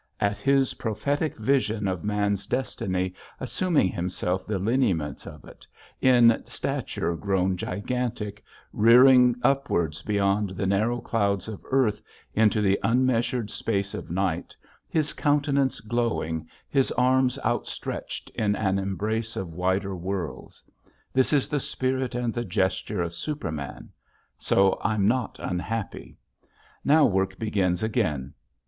_ at his prophetic vision of man's destiny assuming himself the lineaments of it, in stature grown gigantic, rearing upwards beyond the narrow clouds of earth into the unmeasured space of night, his countenance glowing, his arms outstretched in an embrace of wider worlds! This is the spirit and the gesture of Superman. So I'm not unhappy. Now work begins again.